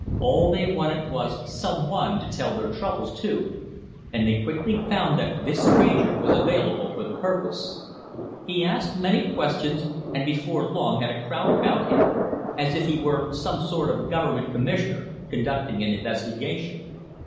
All they wanted was some one to tell their troubles to, and they quickly found that this stranger was available for the purpose. He asked many questions, and before long had a crowd about him as if he were some sort of government commissioner, conducting an investigation.